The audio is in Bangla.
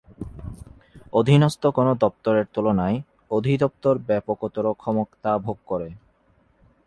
অধীনস্থ কোনো দপ্তরের তুলনায় অধিদপ্তর ব্যাপকতর ক্ষমতা ভোগ করে।